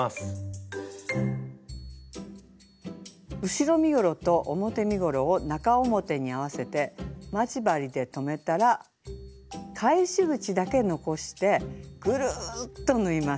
後ろ身ごろと表身ごろを中表に合わせて待ち針で留めたら返し口だけ残してぐるっと縫います。